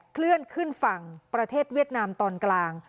เคลื่อนขึ้นฝั่งประเทศเวียดนามตอนกลาง